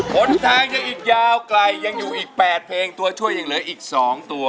ผลทางยังอีกยาวไกลยังอยู่อีก๘เพลงตัวช่วยยังเหลืออีก๒ตัว